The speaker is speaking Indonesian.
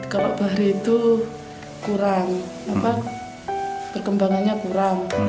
kalau bahri itu kurang apa perkembangannya kurang